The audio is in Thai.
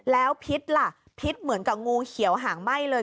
แล้วพิษล่ะพิษเหมือนกับงูเขียวหางไหม้เลย